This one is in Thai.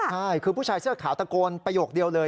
ใช่คือผู้ชายเสื้อขาวตะโกนประโยคเดียวเลย